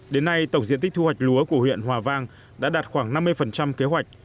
đến nay tổng diện tích thu hoạch lúa của huyện hòa vang đã đạt khoảng năm mươi kế hoạch